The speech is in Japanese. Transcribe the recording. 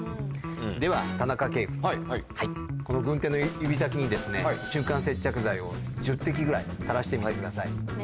では、田中圭君、この軍手の指先に、瞬間接着剤を１０滴ぐらいたらしてみてください。